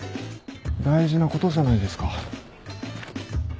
大事なことじゃないですか。